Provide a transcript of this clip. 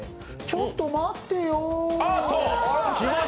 ちょっと待ってよ。